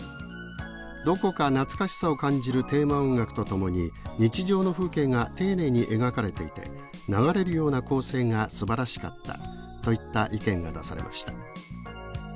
「どこか懐かしさを感じるテーマ音楽とともに日常の風景が丁寧に描かれていて流れるような構成がすばらしかった」といった意見が出されました。